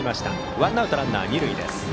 ワンアウトランナー、二塁です。